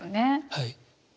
はい。